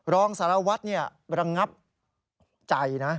รองสารวัตน์เนี่ยระงับใจนะ